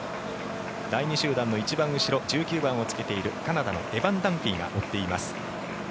第２集団の一番後ろ１９番をつけているカナダのエバン・ダンフィーが追っています。